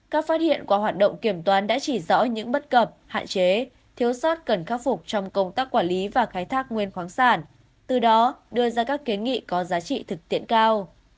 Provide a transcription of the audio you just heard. các phát hiện qua hoạt động kiểm toán đã chỉ rõ những bất cập hạn chế thiếu sót cần khắc phục trong công tác quản lý và khai thác nguyên khoáng sản từ đó đưa ra các kiến nghị có giá trị thực tiễn cao